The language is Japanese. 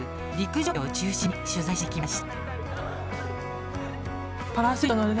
競泳を中心に取材してきました。